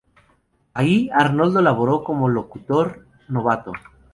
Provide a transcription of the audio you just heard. Ahí, Arnoldo laboró como locutor novato.